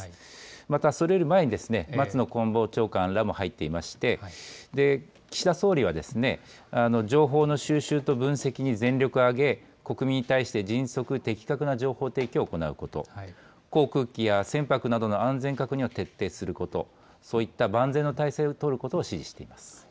またそれより前に、松野官房長官らも入っていまして、岸田総理は、情報の収集と分析に全力を挙げ、国民に対して迅速、的確な情報提供を行うこと、航空機や船舶などの安全確認は徹底すること、そういった万全の体制を取ることを指示してます。